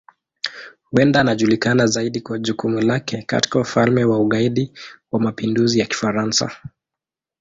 Huenda anajulikana zaidi kwa jukumu lake katika Ufalme wa Ugaidi wa Mapinduzi ya Kifaransa.